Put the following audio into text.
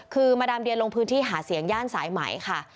คือมาดามเดียลงพื้นที่หาเสียงย่านสายไหมค่ะ